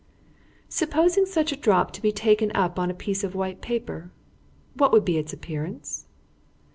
"Supposing such a drop to be taken up on a piece of white paper, what would be its appearance?"